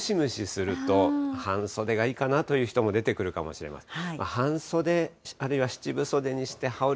午後、ちょっとムシムシすると半袖がいいかなという人も出てくるかもしれません。